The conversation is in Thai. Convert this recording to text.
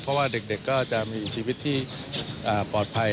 เพราะว่าเด็กก็จะมีชีวิตที่ปลอดภัย